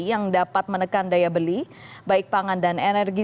yang dapat menekan daya beli baik pangan dan energi